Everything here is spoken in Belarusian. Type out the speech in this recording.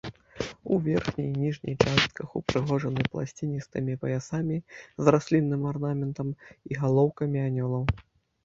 У верхняй і ніжняй частках упрыгожаны пласціністымі паясамі з раслінным арнаментам і галоўкамі анёлаў.